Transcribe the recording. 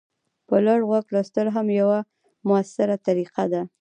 په لوړ غږ لوستل هم یوه مؤثره طریقه ده.